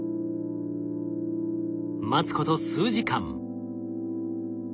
待つこと数時間。